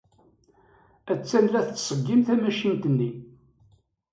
Attan la tettṣeggim tamacint-nni.